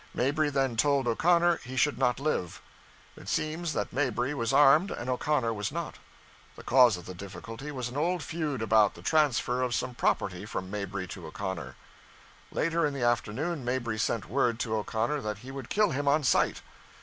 Mabry then told O'Connor he should not live. It seems that Mabry was armed and O'Connor was not. The cause of the difficulty was an old feud about the transfer of some property from Mabry to O'Connor. Later in the afternoon Mabry sent word to O'Connor that he would kill him on sight.